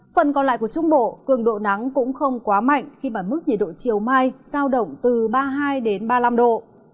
phần còn lại của trung bộ cường độ nắng cũng không quá mạnh khi mà mức nhiệt độ chiều mai giao động từ ba mươi hai ba mươi năm độ